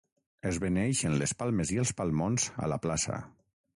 Es beneeixen les palmes i els palmons a la plaça.